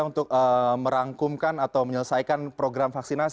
untuk merangkumkan atau menyelesaikan program vaksinasi